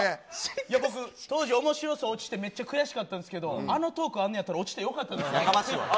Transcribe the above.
いや僕、当時、おもしろ荘落ちて、めっちゃ悔しかったんですけど、あのトークあんのやったら落ちてよかったですね。